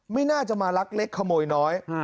ไม่น่าจะมาลักเล็กขโมยน้อย